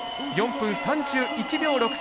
４分３１秒６３。